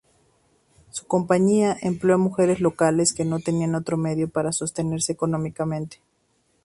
Su compañía empleó a mujeres locales que no tenían otro medio para sostenerse económicamente.